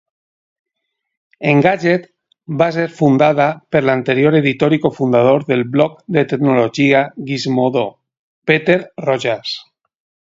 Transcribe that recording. Engadget va ser fundada per l'anterior editor i cofundador del blog de tecnologia Gizmodo, Peter Rojas.